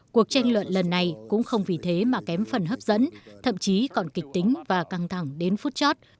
cuộc tranh luận lần này cũng không vì thế mà kém phần hấp dẫn thậm chí còn kịch tính và căng thẳng đến phút chót